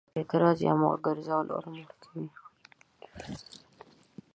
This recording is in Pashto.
اعراض يا مخ ګرځول اور مړ کوي.